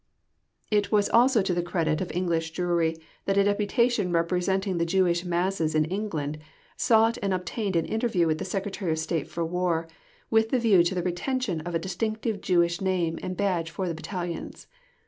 It was also to the credit of English Jewry that a deputation representing the Jewish masses in England, sought and obtained an interview with the Secretary of State for War, with the view to the retention of a distinctive Jewish name and badge for the Battalions.